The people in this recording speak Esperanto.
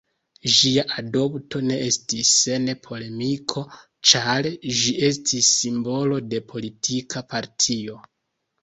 Ĝia adopto ne estis sen polemiko, ĉar ĝi estis simbolo de politika partio.